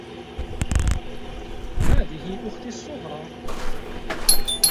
هذه أختي الصغرى.